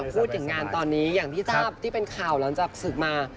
พูดถึงงานตอนนี้อย่างที่ทราบที่เป็นข่าวหลังจากศึกมา